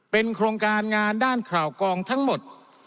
เป็นโครงการงานด้านข่าวกองทั้งหมด